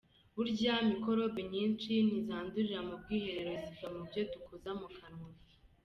Burya mikorobe nyinshi ntizandurira mu bwiherero, ziva mu byo dukoza mu kanwa.